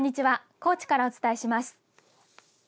高知からお伝えします。